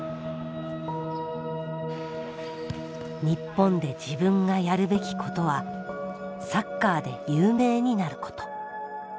日本で自分がやるべきことはサッカーで有名になること。